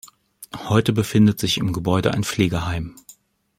Heute befindet sich im Gebäude ein Pflegeheim.